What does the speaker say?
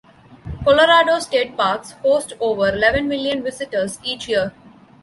Colorado State Parks host over eleven million visitors each year.